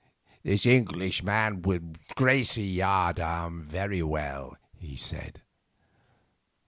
"This Englishman would grace a yardarm very well," he said.